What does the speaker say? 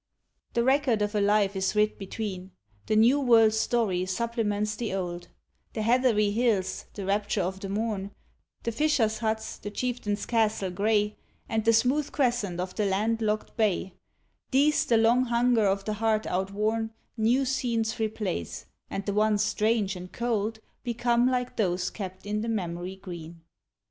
The record of a life is writ between; The new world's story supplements the old; The heathery hills, the rapture of the morn, The fishers' huts, the chieftain's castle gray, And the smooth crescent of the land locked bay, These, the long hunger of the heart outworn, New scenes replace, and the once strange and cold, Become like those kept in the memory green.